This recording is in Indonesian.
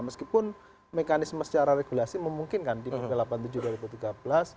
meskipun mekanisme secara regulasi memungkinkan di tahun ke delapan tahun ke tujuh tahun ke tiga belas